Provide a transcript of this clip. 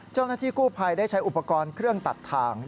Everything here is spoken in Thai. เจ้าหน้าที่กู้ภัยได้ใช้อุปกรณ์เครื่องตัดทาง